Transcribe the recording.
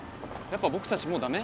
やっぱ僕たちもうダメ？